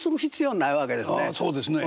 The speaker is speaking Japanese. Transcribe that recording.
ああそうですね。